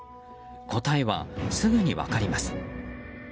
答えは、すぐに分かります。